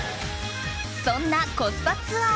そんなコスパツアー